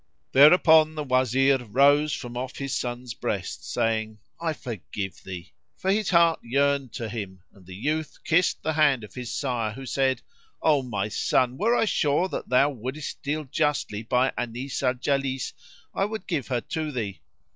'" Thereupon the Wazir rose from off his son's breast saying, "I forgive thee!"; for his heart yearned to him; and the youth kissed the hand of his sire who said, "O my son, were I sure that thou wouldest deal justly by Anis al Jalis, I would give her to thee."